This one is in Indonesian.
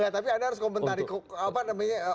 tapi anda harus komentari apa namanya